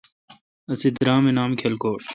اسے درام اے° نام کلکوٹ۔